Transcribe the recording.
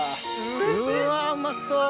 うわうまそう。